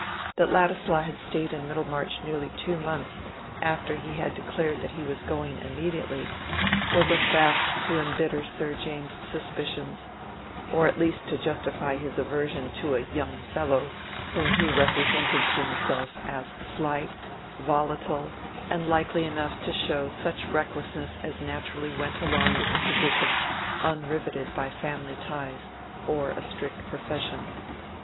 That Ladislaw had stayed in Middlemarch nearly two months after he had declared that he was going immediately, was a fact to embitter Sir James's suspicions, or at least to justify his aversion to a "young fellow" whom he represented to himself as slight, volatile, and likely enough to show such recklessness as naturally went along with a position unriveted by family ties or a strict profession.